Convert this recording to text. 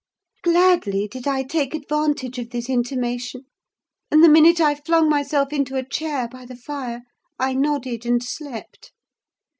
Gladly did I take advantage of this intimation; and the minute I flung myself into a chair, by the fire, I nodded, and slept.